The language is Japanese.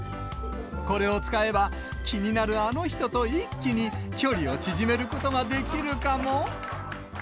これを使えば、気になるあの人と一気に距離を縮めることができるかも？